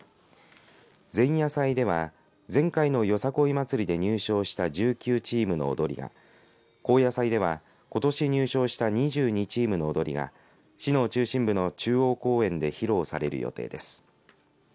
前夜祭では前回のよさこい祭りで入賞した１９チームの踊りが後夜祭では、ことし入賞した２２チームの踊りが市の中心部の中央公園で披露される予定です。